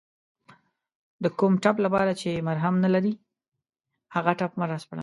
د کوم ټپ لپاره چې مرهم نلرې هغه ټپ مه راسپړه